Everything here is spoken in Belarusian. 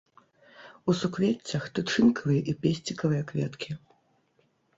У суквеццях тычынкавыя і песцікавыя кветкі.